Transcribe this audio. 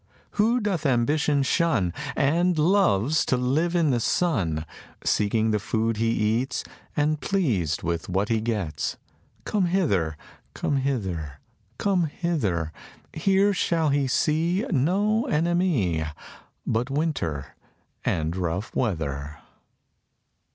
"Who doth ambition shun And loves to live in the sun, Seeking the food he eats And pleased with what he gets, Come hither, come hither, come hither: Here shall he see No enemy But winter and rough weather."